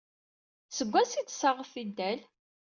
Seg wansi ay d-tessaɣeḍ tidal?